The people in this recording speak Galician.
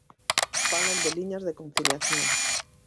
Falan de liñas de conciliación.